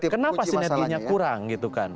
kenapa sinerginya kurang gitu kan